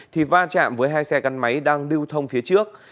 thì va chạm với hai xe gắn máy đang lưu thông phía trước